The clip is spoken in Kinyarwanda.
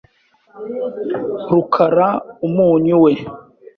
rukara umunyu we .